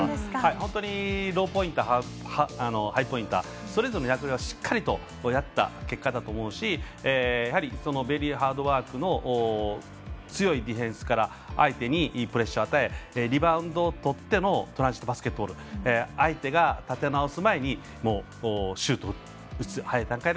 本当にローポインターハイポインターそれぞれの役割をしっかりやった結果だと思うしベリーハードワークの強いディフェンスから相手にいいプレッシャーを与えリバウンドを取ってのトランジットバスケットボール相手が立て直す前にシュートを打つ。